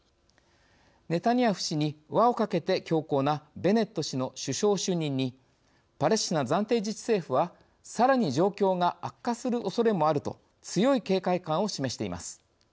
ネタニヤフ氏に輪をかけて強硬なベネット氏の首相就任にパレスチナ暫定自治政府はさらに状況が悪化するおそれもあると強い警戒感を示しています。